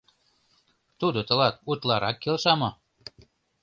Тудо тылат утларак келша мо?